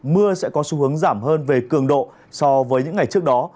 mưa sẽ có xu hướng giảm hơn về cường độ so với những ngày trước đó